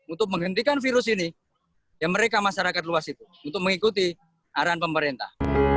untuk menghentikan virus ini ya mereka masyarakat luas itu untuk mengikuti arahan pemerintah